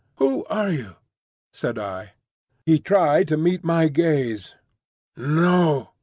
"Who are you?" said I. He tried to meet my gaze. "No!"